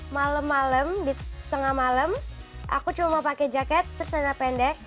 malem malem di setengah malem aku cuma pakai jaket terus tanda pendek